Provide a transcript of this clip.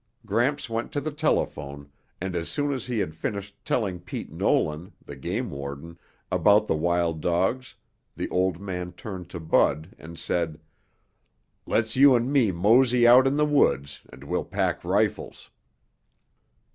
Gramps went to the telephone, and as soon as he had finished telling Pete Nolan, the game warden, about the wild dogs, the old man turned to Bud and said, "Let's you and me mosey out in the woods, and we'll pack rifles."